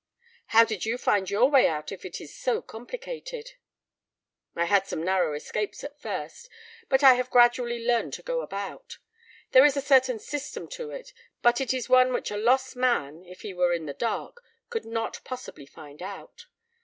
"How do you find your own way if it is so complicated?" "I had some very narrow escapes at first, but I have gradually learned to go about. There is a certain system to it, but it is one which a lost man, if he were in the dark, could not possibly find out.